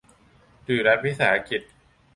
หรือรัฐวิสาหกิจ